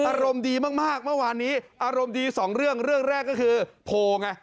อารมณ์ดีมากเมื่อวานนี้อารมณ์ดีสองเรื่องเรื่องแรกก็คือโพลไง